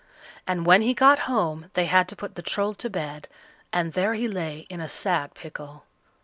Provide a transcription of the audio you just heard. And when he got home, they had to put the Troll to bed, and there he lay in a sad pickle.